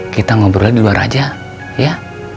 kita ngobrolnya di luar aja ya